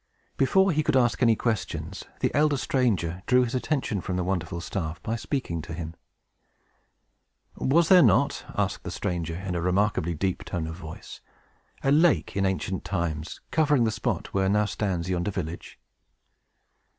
Before he could ask any questions, the elder stranger drew his attention from the wonderful staff, by speaking to him. "Was there not," asked the stranger, in a remarkably deep tone of voice, "a lake, in very ancient times, covering the spot where now stands yonder village?"